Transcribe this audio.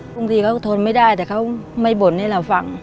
บางทีเขาทนไม่ได้แต่เขาไม่บ่นให้เราฟัง